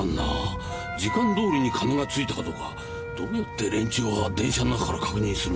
時間どおりに金が着いたかどうかどうやって連中は電車の中から確認するんだろう。